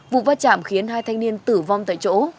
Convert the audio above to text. vụ va chạm khiến hai thanh niên tử vong tại chỗ